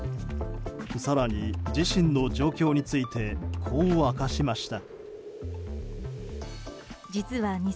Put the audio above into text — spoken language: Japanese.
更に自身の状況についてこう明かしました。